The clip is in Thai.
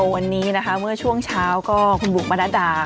วันนี้นะคะเมื่อช่วงเช้าก็คุณบุ๋มปนัดดา